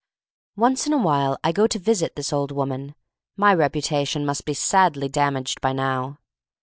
Once in a while I go to visit this old woman — my reputation must be sadly damaged by now.